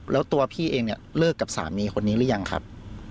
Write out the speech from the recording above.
แล้วตัวพี่เองเนี่ยเลิกกับสามีคนนี้หรือยังครับ